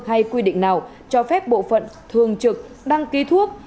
hay quy định nào cho phép bộ phận thường trực đăng ký thuốc